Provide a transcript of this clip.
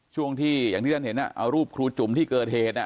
ช่วงที่อย่างที่ท่านเห็นเอารูปครูจุ่มที่เกิดเหตุ